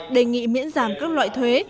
đề nghị miễn giảm các loại thuế